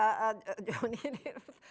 nah ini dia